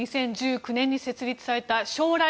この、２０１９年に設立された将来